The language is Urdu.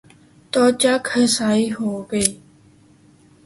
تو جگ ہنسائی ہو گی۔